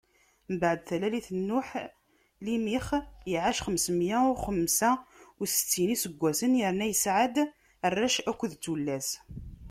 Mbeɛd talalit n Nuḥ, Limix iɛac xems meyya u xemsa u ttsɛin n iseggasen, yerna yesɛa-d arrac akked tullas.